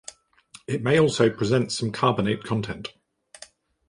It may also present some carbonate content.